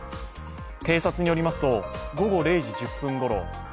警察によりますと午後０時１０分ごろ